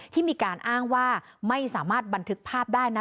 ที่มีการอ้างว่าไม่สามารถบันทึกภาพได้นะ